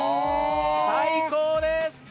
最高です！